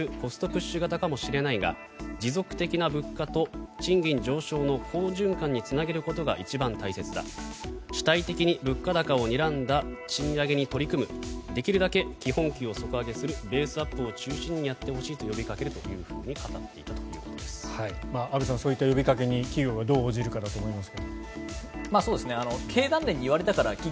コストプッシュ型かもしれないが持続的な物価と賃金上昇の好循環につなげることが大切だ主体的に物価高をにらんだ賃上げに取り組むできるだけ基本給を底上げするベースアップを中心に呼びかけると安部さんそういった呼びかけに企業がどう応じるかだと思いますが。